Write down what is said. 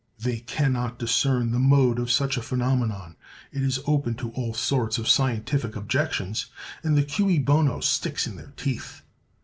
They can not discern the mode of such a phenomenon; it is open to all sorts of scientific objections, and the cui bono sticks in their teeth.